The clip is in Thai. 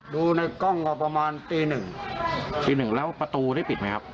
ดูในกล้องประมาณตี๑แล้วประตูได้ปิดไหมครับ